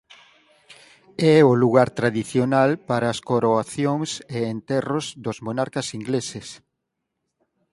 É o lugar tradicional para as coroacións e enterros dos monarcas ingleses.